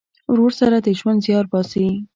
ورور سره د ژوند زیار باسې.